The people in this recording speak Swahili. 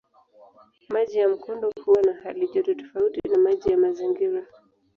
Maji ya mkondo huwa na halijoto tofauti na maji ya mazingira.